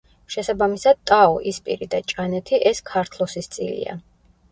შესაბამისად ტაო, ისპირი და ჭანეთი ეს ქართლოსის წილია.